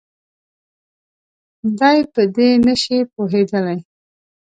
دی په دې نه شي پوهېدلی.